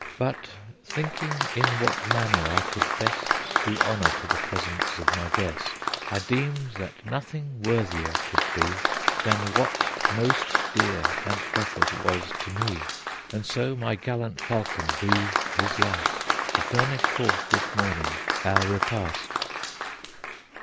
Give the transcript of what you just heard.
But thinking in what manner I could best Do honor to the presence of my guest, I deemed that nothing worthier could be Than what most dear and precious was to me, And so my gallant falcon breathed his last To furnish forth this morning our repast."